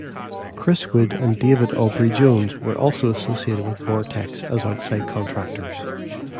Chris Wood and David Aubrey-Jones were also associated with Vortex as outside contractors.